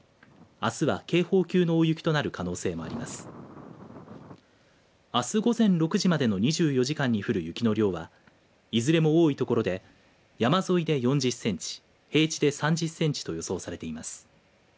あす午前６時までの２４時間に降る雪の量はいずれも多い所で山沿いで４０センチ平地で３０センチと予想されています。